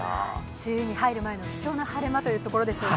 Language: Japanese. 梅雨に入る前の貴重な晴れ間というところでしょうか。